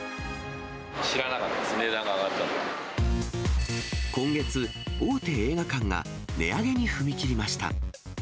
知らなかったです、値段が上今月、大手映画館が値上げに踏み切りました。